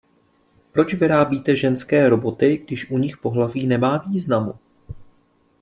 Proč vyrábíte ženské Roboty, když u nich pohlaví nemá významu?